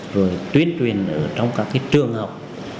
rồi tuyên truyền ở trong các trường học